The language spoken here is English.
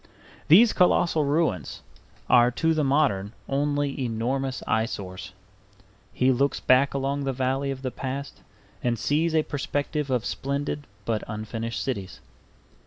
These colossal ruins are to the modern only enormous eyesores. He looks back along the valley of the past and sees a perspective of splendid but unfinished cities.